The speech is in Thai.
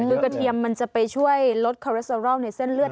คือกระเทียมมันจะไปช่วยลดคอเรสเตอรอลในเส้นเลือด